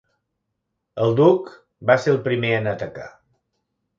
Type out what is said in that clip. El duc va ser el primer en atacar.